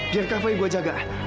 biar cafe yang gue jaga